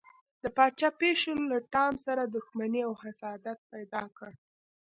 د پاچا پیشو له ټام سره دښمني او حسادت پیدا کړ.